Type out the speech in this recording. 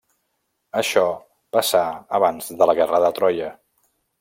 Això passà abans de la guerra de Troia.